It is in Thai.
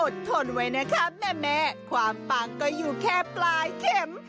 ทนไว้นะคะแม่ความปังก็อยู่แค่ปลายเข็ม